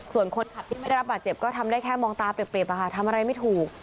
ส่วนคนขับที่ได้รับบาดเจ็บก็ทำได้แค่มองตาเปรียบทำอะไรไม่ถูก